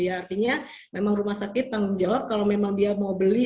artinya memang rumah sakit tanggung jawab kalau memang dia mau beli